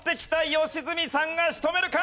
良純さんが仕留めるか？